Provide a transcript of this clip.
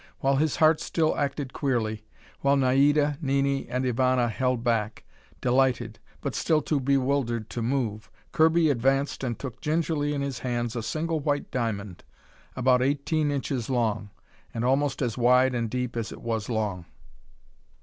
While his heart still acted queerly, while Naida, Nini, and Ivana hung back, delighted, but still too bewildered to move, Kirby advanced and took gingerly in his hands a single white diamond about eighteen inches long, and almost as wide and deep as it was long.